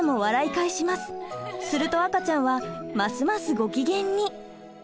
すると赤ちゃんはますますご機嫌に！